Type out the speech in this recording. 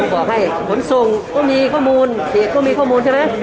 เกิดผมดีหน่อยป๋อก่อน